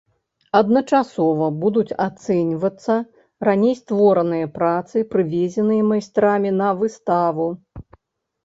Адначасова будуць ацэньвацца раней створаныя працы, прывезеныя майстрамі на выставу.